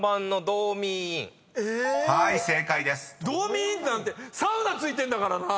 「ドーミーイン」なんてサウナ付いてるんだからな！